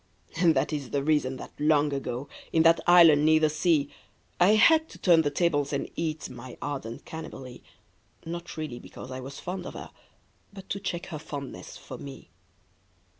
And that is the reason that long ago. In that island near the sea, I had to turn the tables and eat My ardent Cannibalee — Not really because I was fond of her, But to check her fondness for me.